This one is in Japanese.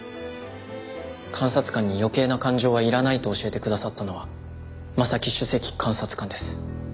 監察官に余計な感情はいらないと教えてくださったのは正木首席監察官です。